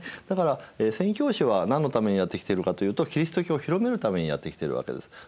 だから宣教師は何のためにやって来ているかというとキリスト教を広めるためにやって来ているわけです。